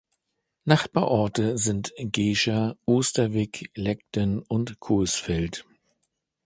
Nachbarorte sind Gescher, Osterwick, Legden und Coesfeld.